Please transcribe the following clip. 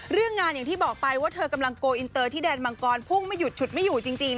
เรื่องงานอย่างที่บอกไปว่าเธอกำลังโกลอินเตอร์ที่แดนมังกรพุ่งไม่หยุดฉุดไม่อยู่จริง